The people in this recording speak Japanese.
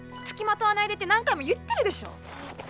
つきまとわないでって何回も言ってるでしょ。